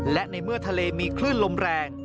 และในเมื่อทะเลมีคลื่นลมแรง